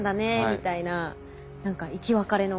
みたいな何か生き別れの。